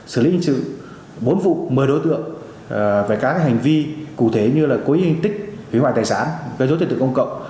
xử lý bốn vụ một mươi đối tượng về các hành vi cụ thể như là cố ý hình tích hủy hoại tài sản gây rốt tiền tượng công cộng